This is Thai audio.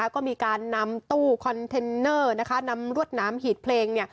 ก็มีการนำตู้คอนเทนเนอร์นำรวดหนามหีดเพลง